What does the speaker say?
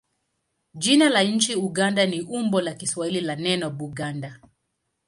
Jina la nchi Uganda ni umbo la Kiswahili la neno Buganda.